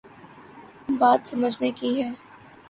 بات سمجھنے کی ہے۔